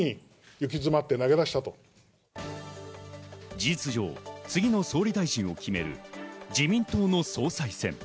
事実上、次の総理大臣を決める自民党の総裁選。